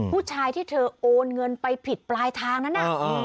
ผู้ชายที่เธอโอนเงินไปผิดปลายทางนั้นน่ะ